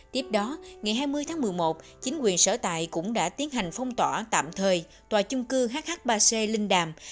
tiếp đó ngày hai mươi tháng một mươi một chính quyền sở tại cũng đã tiến hành phong tỏa tạm thời tòa chung cư hh ba c linh đàm